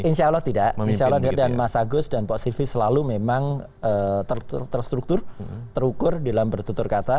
insya allah tidak insya allah dan mas agus dan pak sivi selalu memang terstruktur terukur dalam bertutur kata